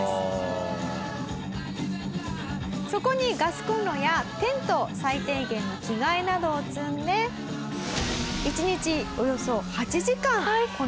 そこにガスコンロやテント最低限の着替えなどを積んで１日およそ８時間この体勢でこぎ続けます。